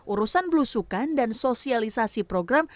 urusan belusukan dan sosialisasi program